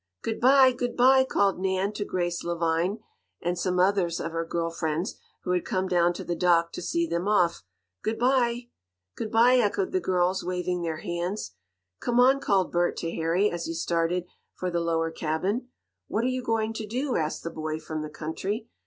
"Good bye! Good bye!" called Nan to Grace Lavine, and some others of her girl friends, who had come down to the dock to see them off. "Good bye!" "Good bye!" echoed the girls, waving their hands. "Come on!" called Bert to Harry, as he started for the lower cabin. "What are you going to do?" asked the boy from the country.